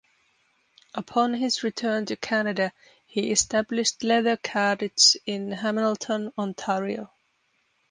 Upon his return to Canada he established Leather Cartage in Hamilton Ontario.